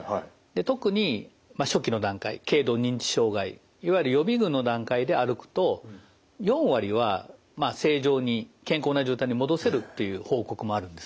特に初期の段階軽度認知障害いわゆる予備群の段階で歩くと４割は正常に健康な状態に戻せるという報告もあるんです。